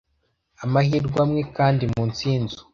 amahirwe amwe kandi munsi yinzu